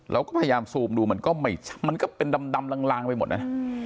เราก็พยายามซูมดูมันก็เป็นดำลางไปหมดนะ